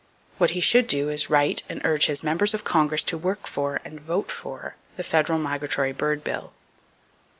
What he should do is to write and urge his members of Congress to work for and vote for the federal migratory bird bill.